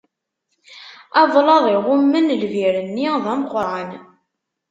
Ablaḍ iɣummen lbir-nni, d ameqran.